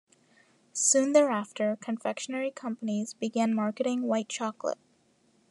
Soon thereafter, confectionery companies began marketing white chocolate.